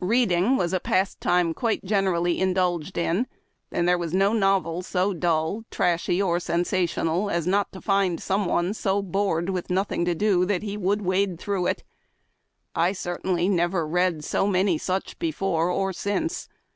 Reading was a pastime quite generally indulged in, and there was no novel so dull, trashy, or sensational as not to find some one so bored with nothing to do that he would wade through it. I, cer tainly, never read so many such before or since.